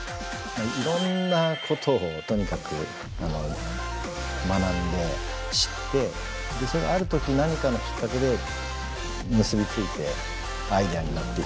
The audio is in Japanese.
いろんなことをとにかく学んで知ってそれがある時何かのきっかけで結び付いてアイデアになっていくっていう。